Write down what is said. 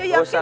ya yakin lah